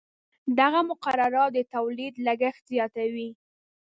دغه مقررات د تولید لګښت زیاتوي.